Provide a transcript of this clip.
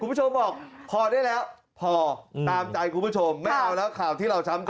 คุณผู้ชมบอกพอได้แล้วพอตามใจคุณผู้ชมไม่เอาแล้วข่าวที่เราช้ำคอ